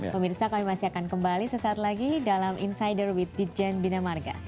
pemirsa kami masih akan kembali sesaat lagi dalam insider with di jen bina marga